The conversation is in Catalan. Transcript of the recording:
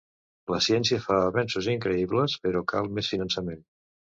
La ciència fa avenços increïbles, però cal més finançament.